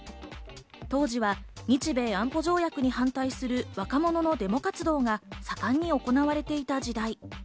当時は日米安保条約に反対する若者のデモ活動が盛んに行われていた時代。